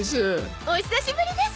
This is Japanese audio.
お久しぶりです。